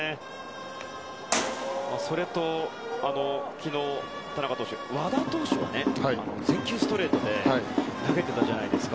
それと、昨日和田投手が全球ストレートで投げていたじゃないですか。